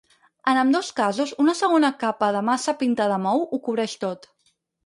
En ambdós casos, una segona capa de massa pintada amb ou ho cobreix tot.